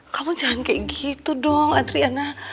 kamu jangan kayak gitu dong adriana